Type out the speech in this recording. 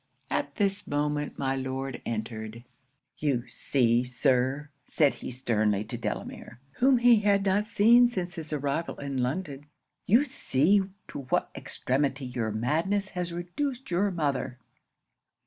'At this moment my Lord entered "You see, Sir," said he sternly to Delamere, whom he had not seen since his arrival in London "you see to what extremity your madness has reduced your mother."